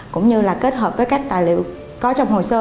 cũng như là kết hợp với các tài liệu có trong hồ sơ